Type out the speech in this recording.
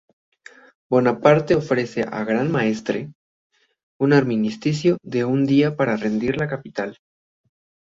Bonaparte ofrece al Gran Maestre un armisticio de un día para rendir la capital.